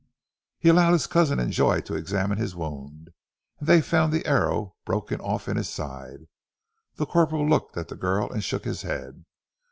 He allowed his cousin and Joy to examine his wound, and they found the arrow broken off in his side. The corporal looked at the girl and shook his head.